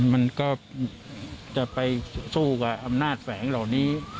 มันก็จะไปสู้กับอำนาจแฝงเหล่านี้